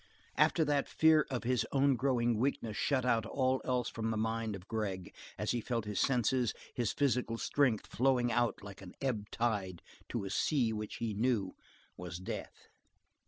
After that fear of his own growing weakness shut out all else from the mind of Gregg as he felt his senses, his physical strength, flowing out like an ebb tide to a sea which, he knew, was death.